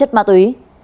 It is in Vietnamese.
hoặc chất ma túy